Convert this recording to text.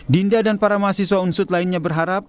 dinda dan para mahasiswa unsut lainnya berharap